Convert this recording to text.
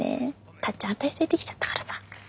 たっちゃん私連れてきちゃったからさ。